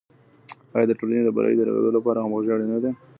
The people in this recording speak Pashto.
آیا د ټولني برایې د رغیدو لپاره همغږي اړینه ده؟